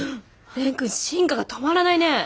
蓮くん進化が止まらないね。